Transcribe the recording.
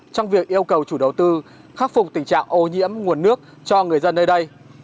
trong việc yêu cầu chủ đầu tư khắc phục tình trạng ô nhiễm nguồn nước cho người dân nơi đây